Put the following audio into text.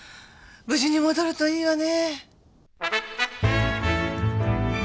無事に戻るといいわね。